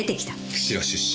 釧路出身。